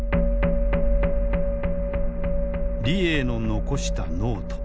李鋭の残したノート。